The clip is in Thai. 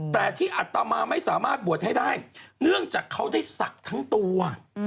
แต่ที่อัตมาไม่สามารถบวชให้ได้เนื่องจากเขาได้ศักดิ์ทั้งตัว